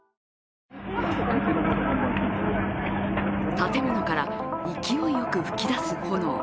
建物から勢いよく噴き出す炎。